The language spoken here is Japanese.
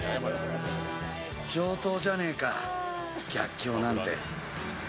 上等じゃねえか、逆境なんて。